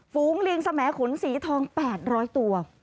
ฝูงลิงสมขุนสีทอง๘๐๐ตัว